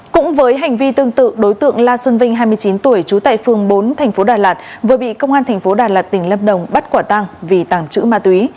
cũng với hành vi tương tự đối tượng la xuân vinh hai mươi chín tuổi trú tại phường bốn tp đà lạt vừa bị công an thành phố đà lạt tỉnh lâm đồng bắt quả tăng vì tàng trữ ma túy